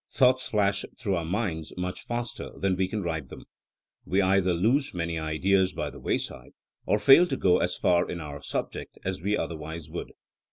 Thoughts flash through our minds much faster than we can write them. We either lose many ideas by the wayside, or fail to go as far in our subject as we otherwise would.